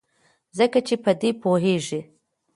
ځکه هغه په دې پوهېږي.